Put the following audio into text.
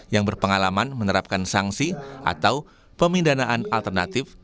yang berpengalaman menerapkan sanksi atau pemindanaan alternatif